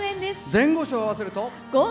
前後賞合わせると？